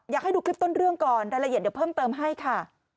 อยากให้ดูคลิปต้นเรื่องก่อนรายละเอียดเดี๋ยวเพิ่มเติมให้ค่ะ